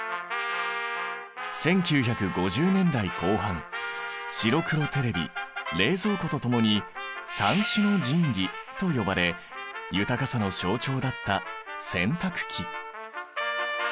１９５０年代後半白黒テレビ冷蔵庫とともに三種の神器と呼ばれ豊かさの象徴だった洗濯機。